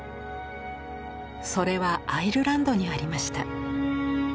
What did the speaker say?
それはアイルランドにありました。